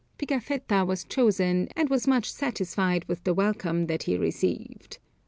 Pigafetta was chosen, and was much satisfied with the welcome that he received.